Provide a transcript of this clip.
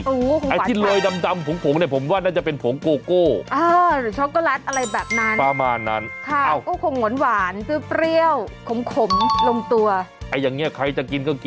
ผมเห็นแล้วผมกินอย่างนี้ดีกว่านี่นี่เป็นลูกน้องกลาอย่างเงี้ยเออผ่านได้